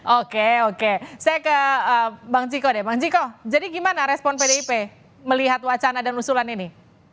oke oke saya ke bang ciko deh bang ciko jadi gimana respon pdip melihat wacana dan usulan ini